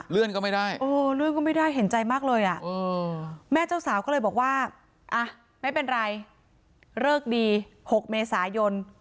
เลื่อนก็ไม่ได้เลื่อนก็ไม่ได้เห็นใจมากเลยอ่ะแม่เจ้าสาวก็เลยบอกว่าไม่เป็นไรเลิกดี๖เมษายน